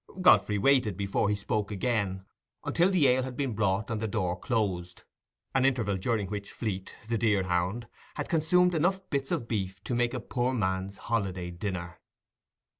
Godfrey waited, before he spoke again, until the ale had been brought and the door closed—an interval during which Fleet, the deer hound, had consumed enough bits of beef to make a poor man's holiday dinner.